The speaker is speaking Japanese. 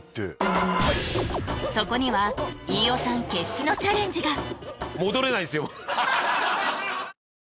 そこには飯尾さん決死のチャレンジが何？